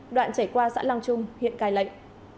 đoạn chảy qua xã long trung hiện cài lệnh